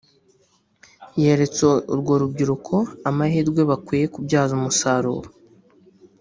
yeretse urwo rubyiruko amahirwe bakwiye kubyaza umusaruro